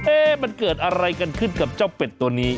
มันเกิดอะไรกันขึ้นกับเจ้าเป็ดตัวนี้